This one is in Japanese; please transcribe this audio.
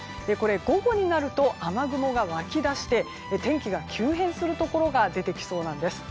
午後になると雨雲が湧き出して天気が急変するところが出てきそうなんです。